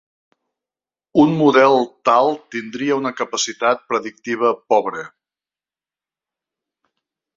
Un model tal tindria una capacitat predictiva pobre.